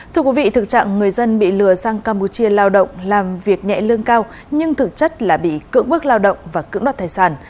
thưa quý vị thực trạng người dân bị lừa sang campuchia lao động làm việc nhẹ lương cao nhưng thực chất là bị cưỡng bức lao động và cưỡng đoạt tài sản